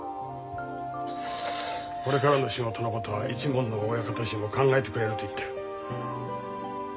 これからの仕事のことは一門の親方衆も考えてくれると言ってる。